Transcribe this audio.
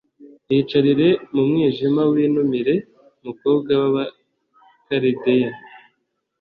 iyicarire mu mwijima winumire, mukobwa w’abakalideya,